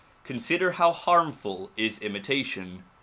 Consider how harmful is imitation.